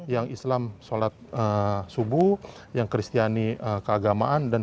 yang islam sholat subuh yang kristiani keagamaan dan